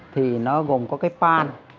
thì nó gồm có cái pan